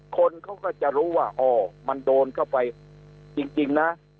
คนเขาก็จะรู้ว่าอ๋อมันโดนเข้าไปจริงนะ